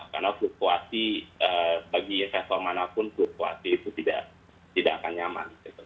karena fluktuasi bagi investor manapun fluktuasi itu tidak akan nyaman